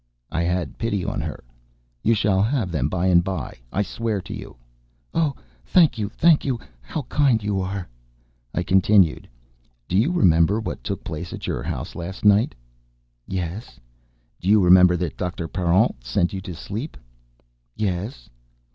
I had pity on her: "You shall have them by and by, I swear to you." "Oh! thank you! thank you! How kind you are!" I continued: "Do you remember what took place at your house last night?" "Yes." "Do you remember that Doctor Parent sent you to sleep?" "Yes."